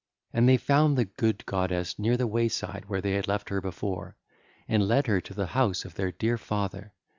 And they found the good goddess near the wayside where they had left her before, and led her to the house of their dear father.